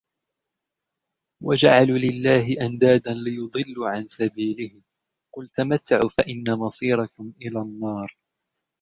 وَجَعَلُوا لِلَّهِ أَنْدَادًا لِيُضِلُّوا عَنْ سَبِيلِهِ قُلْ تَمَتَّعُوا فَإِنَّ مَصِيرَكُمْ إِلَى النَّارِ